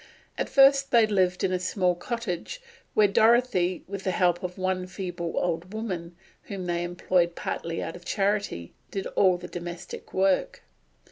At first they lived in a small cottage, where Dorothy, with the help of one feeble old woman, whom they employed partly out of charity, did all the domestic work.